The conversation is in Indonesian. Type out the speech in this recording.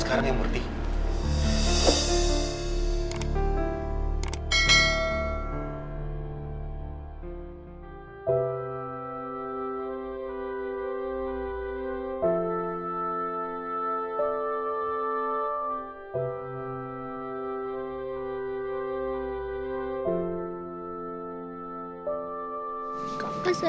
kalau gitu permisi